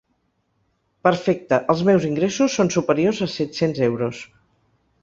Perfecte, els meus ingressos son superiors a set-cents euros.